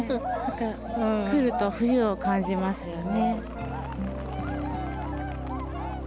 来ると冬を感じますよね。